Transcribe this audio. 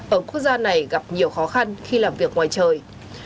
ở quốc gia này gặp nhiều khó khăn khi làm việc ngoài trời